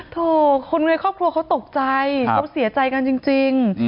คนในครอบครัวเขาตกใจเขาเสียใจกันจริง